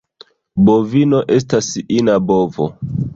Bovino estas ina bovo.